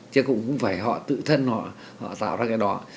chứ cũng không phải họ tự thân họ tạo ra cái đó